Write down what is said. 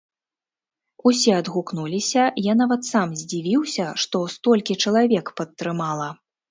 Усе адгукнуліся, я нават сам здзівіўся, што столькі чалавек падтрымала.